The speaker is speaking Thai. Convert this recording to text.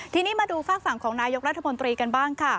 ทีนี้มาดูฝากฝั่งของนายกรัฐมนตรีกันบ้างค่ะ